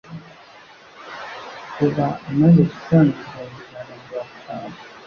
uba umaze gutanga ibihumbi ijana namirongo itanu